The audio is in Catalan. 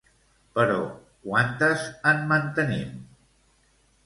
Però quantes en mantenim?